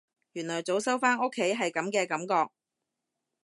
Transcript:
原來早收返屋企係噉嘅感覺